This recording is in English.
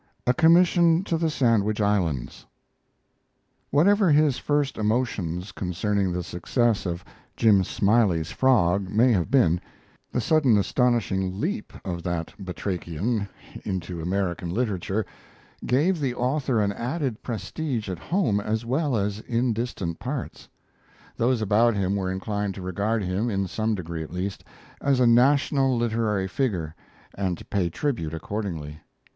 A COMMISSION TO THE SANDWICH ISLANDS Whatever his first emotions concerning the success of "Jim Smiley's Frog" may have been, the sudden astonishing leap of that batrachian into American literature gave the author an added prestige at home as well as in distant parts. Those about him were inclined to regard him, in some degree at least, as a national literary figure and to pay tribute accordingly.